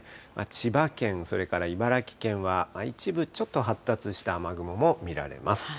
千葉県、それから茨城県は、一部ちょっと発達した雨雲も見られます。